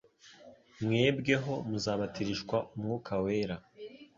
mwebweho muzabatirishwa Umwuka Wera